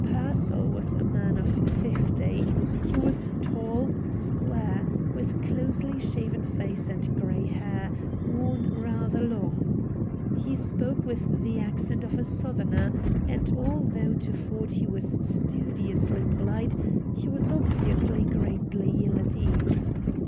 Pearsall was a man of fifty. He was tall, spare, with closely shaven face and gray hair, worn rather long. He spoke with the accent of a Southerner, and although to Ford he was studiously polite, he was obviously greatly ill at ease.